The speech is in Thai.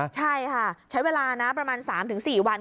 ใช่ค่ะใช้เวลานะประมาณ๓๔วัน